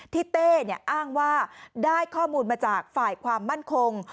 เต้อ้างว่าได้ข้อมูลมาจากฝ่ายความมั่นคง